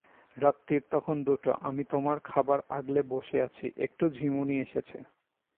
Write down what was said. রাত্তির তখন দুটো, আমি তোমার খাবার আগলে বসে আছি, একটু ঝিমুনি এসেছে।